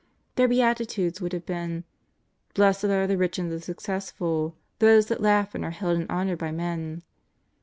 Their beatitudes would have been :" Blessed are the rich and the successful, those that laugh and are held in honour by men."